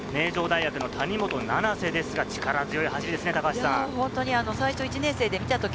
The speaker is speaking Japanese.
先頭の名城大学の谷本七星ですが、力強い走りですね。